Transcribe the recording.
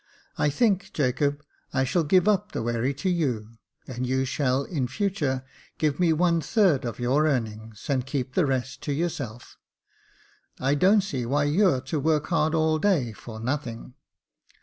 I think, Jacob, I shall give up the wherry to you, and you shall in future give me one third of your earnings, and keep the rest to yourself. I don't see why you're to work hard all day for nothing."